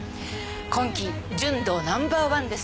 今期純度ナンバーワンです。